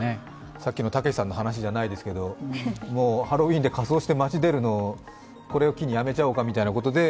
さっきのたけしさんの話じゃないですけど、ハロウィーンで仮装で街に出るのはこれを機にやめちゃおうかみたいなことで。